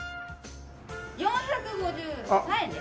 ４５３円です。